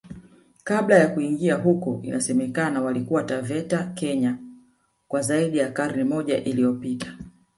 Kabla ya kuingia huko inasemekana walikuwa Taveta Kenya kwa zaidi ya karne moja iliyopita